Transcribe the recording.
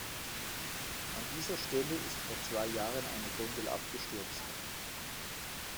An dieser Stelle ist vor zwei Jahren eine Gondel abgestürzt.